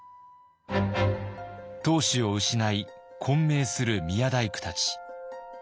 当主を失い混迷する宮大工たち。